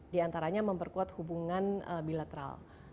di antaranya memperkuat hubungan bilateral